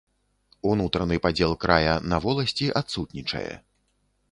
Унутраны падзел края на воласці адсутнічае.